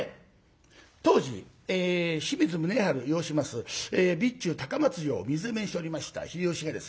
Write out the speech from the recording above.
当時清水宗治擁します備中高松城を水攻めにしておりました秀吉がですね